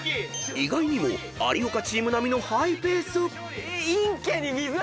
［意外にも有岡チーム並みのハイペース］